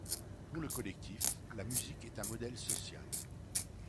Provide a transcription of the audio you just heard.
Pour le collectif, la musique est un modèle social.